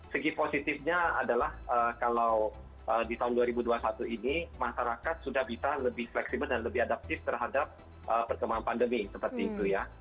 segi positifnya adalah kalau di tahun dua ribu dua puluh satu ini masyarakat sudah bisa lebih fleksibel dan lebih adaptif terhadap perkembangan pandemi seperti itu ya